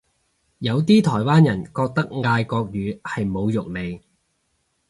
有啲台灣人覺得嗌國語係侮辱嚟